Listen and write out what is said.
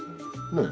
ねえ？